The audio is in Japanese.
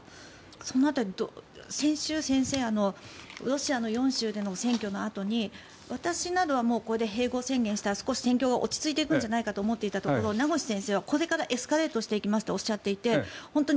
その辺り、先週、先生はロシアの４州での選挙のあとに私などはこれで併合宣言をしたら戦況が落ち着いていくのではと思っていたところ名越先生は、これからエスカレートしていきますとおっしゃっていて本当